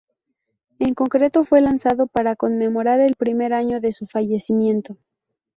En concreto, fue lanzado para conmemorar el primer año de su fallecimiento.